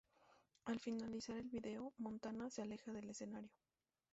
Al finalizar el video Montana se aleja del escenario.